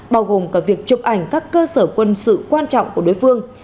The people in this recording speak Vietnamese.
bao gồm cả việc chụp ảnh các cơ sở quân sự quan trọng của đối phương